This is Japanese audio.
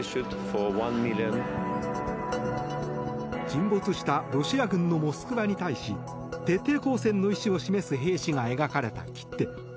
沈没したロシア軍の「モスクワ」に対し徹底抗戦の意思を示す兵士が描かれた切手。